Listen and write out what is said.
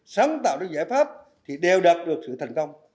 sáng tạo được giải pháp thì đều đạt được sự thành công